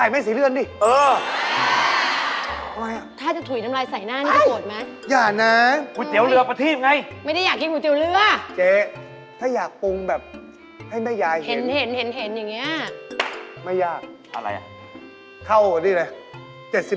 อ้อแม่ศรีเรือนก็ซื้อก้นเตี๋ยวไก่แม่ศรีเรือนสิ